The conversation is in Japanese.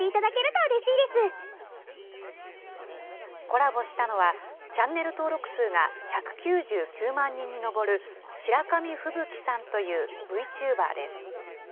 コラボしたのは、チャンネル登録数が１９９万人に上る白上フブキさんというＶチューバーです。